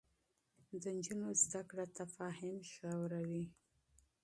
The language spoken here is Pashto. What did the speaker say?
د نجونو زده کړه تفاهم ژوروي.